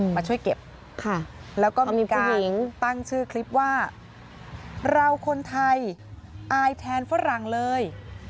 มาช่วยเก็บแล้วก็มีผู้หญิงตั้งชื่อคลิปว่าเราคนไทยอายแทนฝรั่งเลย